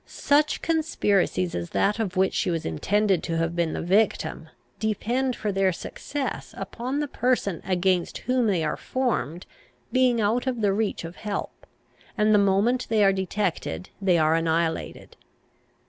Such conspiracies as that of which she was intended to have been the victim, depend for their success upon the person against whom they are formed being out of the reach of help; and the moment they are detected, they are annihilated.